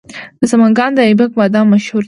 د سمنګان د ایبک بادام مشهور دي.